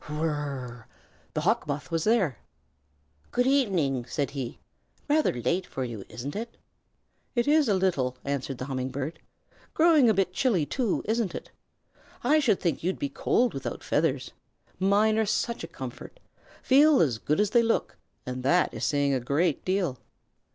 Whir r r r! The Hawk Moth was there. "Good evening," said he. "Rather late for you, isn't it?" "It is a little," answered the Humming Bird. "Growing a bit chilly, too, isn't it? I should think you'd be cold without feathers. Mine are such a comfort. Feel as good as they look, and that is saying a great deal."